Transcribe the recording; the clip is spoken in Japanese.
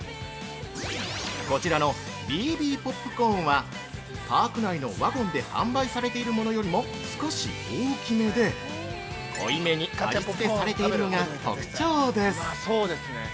こちらのＢＢポップコーンはパーク内のワゴンで販売されているものよりも少し大きめで濃いめに味付けされているのが特徴です。